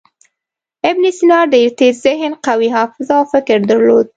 ابن سینا ډېر تېز ذهن، قوي حافظه او فکر درلود.